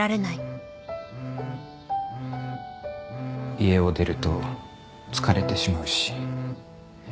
家を出ると疲れてしまうし。